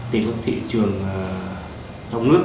tìm được thị trường trong nước